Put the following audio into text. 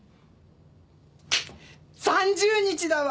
３０日だわ！